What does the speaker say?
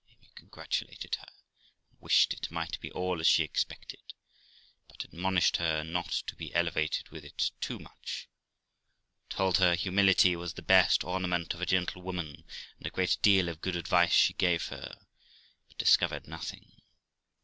Amy congratulated her, and wished it might be all as she expected, but admonished her not to be elevated with it too much; told her humility was the best ornament of a gentle woman, and a great deal of good advice she gave her, but discovered nothing.